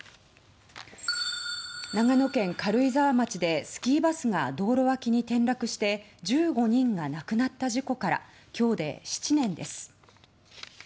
長野県軽井沢町でスキーバスが道路脇に転落して１５人が亡くなった事故から今日で７年です。